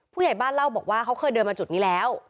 ผู้ใหญ่บ้านเล่าบอกว่าเขาเคยเดินมาจุดนี้แล้ว